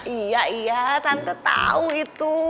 iya iya tante tahu itu